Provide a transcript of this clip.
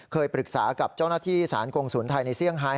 เคยปรึกษากับเจ้าหน้าที่สารกงศูนย์ไทยในเซี่ยงไฮ